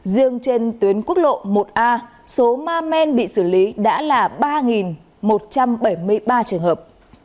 riêng trên tuyến quốc lộ một a số ma men bị xử lý đã là ba một trăm bảy mươi ba trường hợp